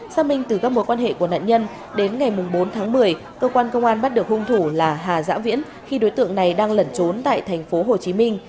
xác minh từ các mối quan hệ của nạn nhân đến ngày bốn tháng một mươi cơ quan công an bắt được hung thủ là hà giã viễn khi đối tượng này đang lẩn trốn tại tp hcm